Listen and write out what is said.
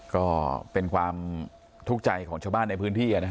ก็เป็นความทุกข์ใจของชาวบ้านในพื้นที่